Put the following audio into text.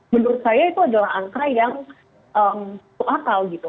menurut saya itu adalah angka yang akal gitu